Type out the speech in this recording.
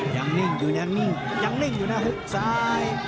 ยังนิ่งอยู่ยังนิ่งอยู่นะฮึกซ้าย